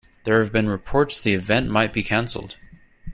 There have been reports the event might be canceled.